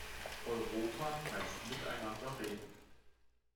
Europa heißt, miteinander reden!